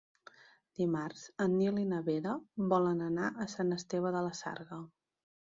Dimarts en Nil i na Vera volen anar a Sant Esteve de la Sarga.